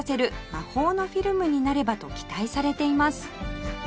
魔法のフィルムになればと期待されています